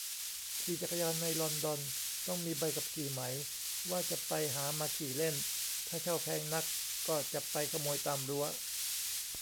ขี่จักรยานในลอนดอน ต้องมีใบขับขี่ไหม ว่าจะไปหามาขี่เล่น ถ้าเช่าแพงนัก ก็จะไปขโมยตามรั้ว